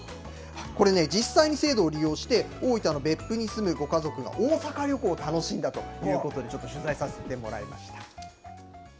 これね、実際に制度を利用して、大分の別府に住むご家族が大阪旅行を楽しんだということで、ちょっと取材させてもらいました。